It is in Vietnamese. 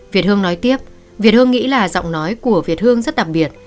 việt hương nói tiếp việt hương nghĩ là giọng nói của việt hương rất đặc biệt